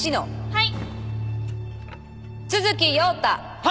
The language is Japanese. はい。